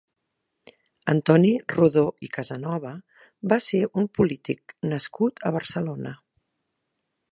Antoni Rodó i Casanova va ser un polític nascut a Barcelona.